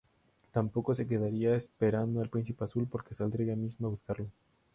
Tampoco se quedaría esperando al príncipe azul, porque saldría ella misma a buscarlo.